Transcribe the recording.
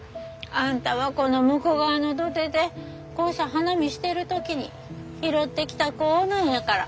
あんたはこの武庫川の土手でこうして花見してる時に拾ってきた子なんやから。